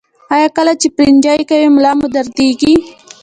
ایا کله چې پرنجی کوئ ملا مو دردیږي؟